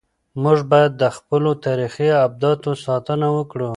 موږ باید د خپلو تاریخي ابداتو ساتنه وکړو.